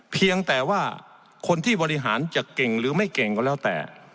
เพียงแต่ว่าคนที่บริหารจะเก่งหรือไม่เก่งก็แล้วแต่